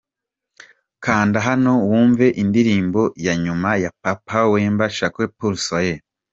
Kanda hano wumve indirimbo ya nyuma ya Papa Wemba "Chacun pour soi".